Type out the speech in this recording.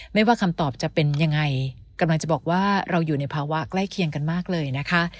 ไม่ว่าคำตอบจะเป็นยังไงกำลังจะบอกว่าเราอยู่ในภาวะใกล้เคียงกันมากเลยนะคะ